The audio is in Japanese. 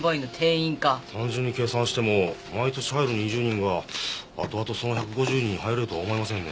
単純に計算しても毎年入る２０人が後々その１５０人に入れるとは思えませんね。